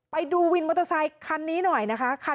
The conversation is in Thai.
ไปดูวินมอเตอร์ไซคันนี้หน่อยนะคะ